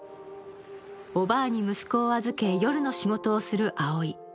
おばあに息子を預け夜の仕事をするアオイ。